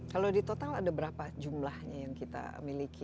kalau di total ada berapa jumlahnya yang kita miliki